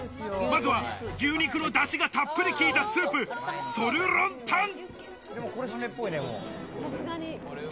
まずは、牛肉のだしがたっぷり効いたスープ、ソルロンタン。